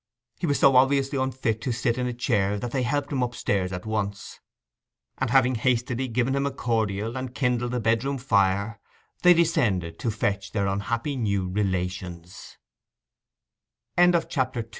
He was so obviously unfit to sit in a chair that they helped him upstairs at once; and having hastily given him a cordial and kindled the bedroom fire, they descended to fetch their unhapp